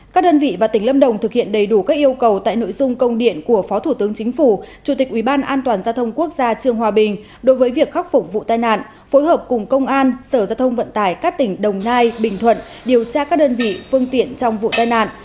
các đơn vị và tỉnh lâm đồng thực hiện đầy đủ các yêu cầu tại nội dung công điện của phó thủ tướng chính phủ chủ tịch ủy ban an toàn giao thông quốc gia trương hòa bình đối với việc khắc phục vụ tai nạn phối hợp cùng công an sở giao thông vận tải các tỉnh đồng nai bình thuận điều tra các đơn vị phương tiện trong vụ tai nạn